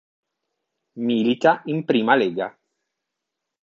Milita in Prima Lega.